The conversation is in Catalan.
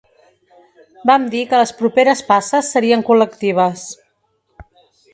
Vam dir que les properes passes serien col•lectives.